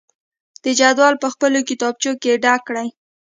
د جدول په خپلو کتابچو کې ډک کړئ.